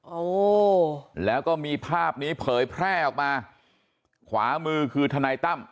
โอ้แล้วก็มีภาพนี้เผยแพร่ออกมาขวามือคือทนายตั้ม